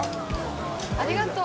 ありがとう。